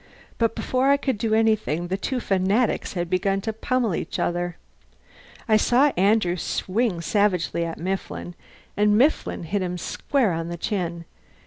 But before I could do anything the two fanatics had begun to pummel each other. I saw Andrew swing savagely at Mifflin, and Mifflin hit him square on the chin.